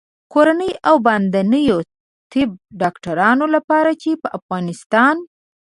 کورنیو او باندنیو طب ډاکټرانو لپاره چې په افغانستان